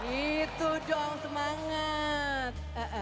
itu dong semangat